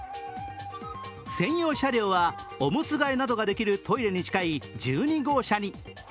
専用車両はおむつ替えなどができるトイレに近い１２号車に。